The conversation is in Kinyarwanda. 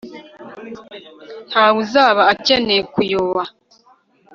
nta wuzaba akeneye kuyoba